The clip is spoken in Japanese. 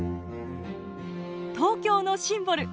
東京のシンボル